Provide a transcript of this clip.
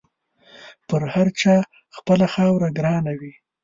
پر هر چا خپله خاوره ګرانه وي.